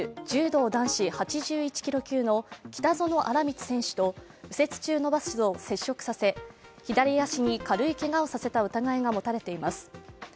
柔道男子８１キロ級の北園新光選手と右折中のバスを接触させ左足に軽いけがをさせた疑いが持たれています。